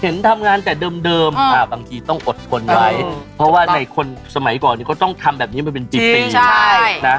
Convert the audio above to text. ทำงานแต่เดิมบางทีต้องอดทนไว้เพราะว่าในคนสมัยก่อนก็ต้องทำแบบนี้มาเป็น๑๐ปีนะ